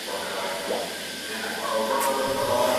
ژبنی تعصب مه کوئ.